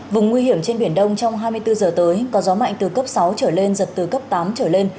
vùng nguy hiểm trên biển đông trong hai mươi bốn giờ tới có gió mạnh từ cấp sáu trở lên giật từ cấp tám trở lên